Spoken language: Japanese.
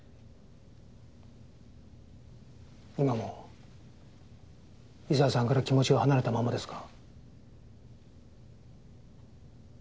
今も伊沢さんから気持ちは離れたままですか？